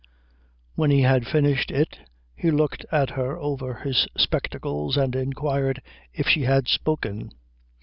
When he had finished it he looked at her over his spectacles, and inquired if she had spoken.